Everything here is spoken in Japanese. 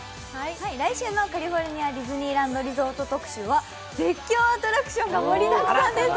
来週のカリフォルニアディズニーランド特集は絶叫アトラクションが盛りだくさんです。